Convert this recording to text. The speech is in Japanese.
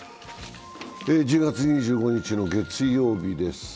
１０月２５日の月曜日です。